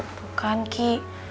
tuh kan ki